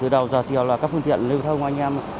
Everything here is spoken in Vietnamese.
từ đầu giờ chiều là các phương tiện lưu thông ngoài nhà mà